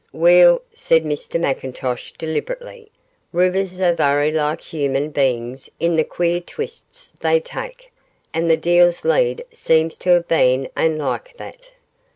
'Weel,' said Mr McIntosh, deliberately, 'rivers are varra like human bein's in the queer twists they take, and the Deil's Lead seems to hae been ain like that.